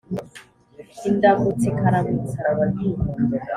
indamúts ikaramutsa